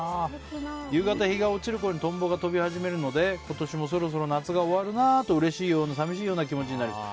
夕方、日が落ちるころにトンボが飛び始めるので今年もそろそろ夏が終わるなとうれしいような寂しいような気持ちになります。